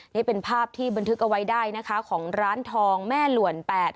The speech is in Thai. นี่เป็นภาพที่บันทึกเอาไว้ได้นะคะของร้านทองแม่หล่วนแปด